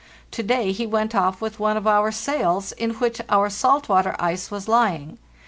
To day he went off with one of our sails, in which our salt water ice was lying.